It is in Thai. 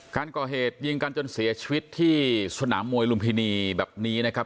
การก่อเหตุยิงกันจนเสียชีวิตที่สนามมวยลุมพินีแบบนี้นะครับ